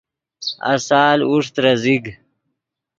آسال اوݰ ترے زیگ